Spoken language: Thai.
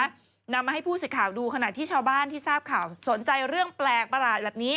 นำมาให้ผู้สิทธิ์ข่าวดูขณะที่ชาวบ้านที่ทราบข่าวสนใจเรื่องแปลกประหลาดแบบนี้